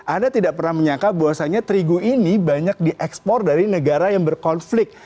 anda tidak pernah menyangka bahwasannya terigu ini banyak diekspor dari negara yang berkonflik